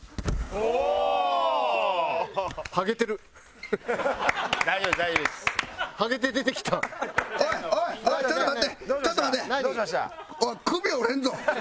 おい首折れんぞ！